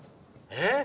えっ？